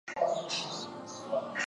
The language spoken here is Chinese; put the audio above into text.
风车星系。